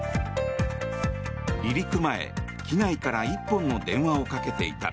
離陸前、機内から１本の電話をかけていた。